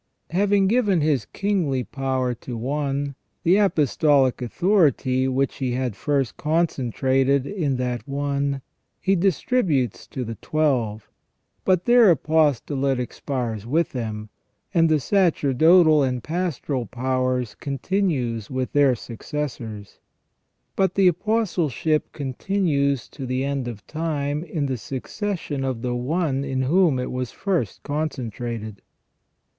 Having given His kingly power to one, the apostolic authority which He had first concentrated in that one He distributes to the Twelve. But their apostolate expires with them, and the sacerdotal and pastoral power continues with their successors. But the apostleship continues to the end of time in the succession of the one in whom it was first concentrated.